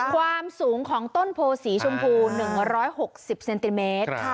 ความสูงของต้นโพสีชมพูหนึ่งร้อยหกสิบเซนติเมตรค่ะ